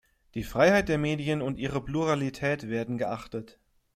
Die Freiheit der Medien und ihre Pluralität werden geachtet.